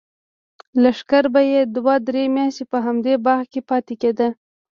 لښکر به یې دوه درې میاشتې په همدې باغ کې پاتې کېده.